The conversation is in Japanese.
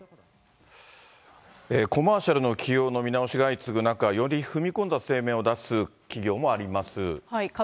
コマーシャルの起用の見直しが相次ぐ中、より踏み込んだ声明を出す企業もあります。